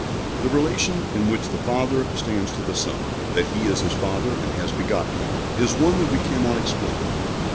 The relation in which the Father stands to the Son, that He is His Father and has begotten Him, is one that we cannot explain.